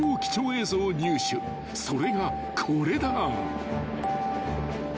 ［それがこれだ］